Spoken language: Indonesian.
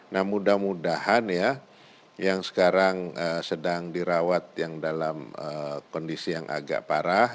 nah mudah mudahan ya yang sekarang sedang dirawat yang dalam kondisi yang agak parah